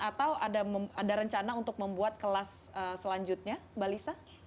atau ada rencana untuk membuat kelas selanjutnya mbak lisa